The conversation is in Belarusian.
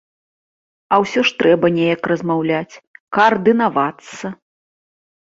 А ўсё ж трэба неяк размаўляць, каардынавацца.